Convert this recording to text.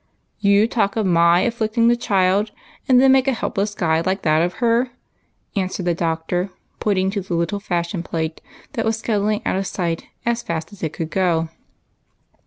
" You talk of my afflicting the child, and then make a helpless guy like that of her !" answered the Doctor, pointing to the little fashion plate that was scuttling out of sight as fast as it could go.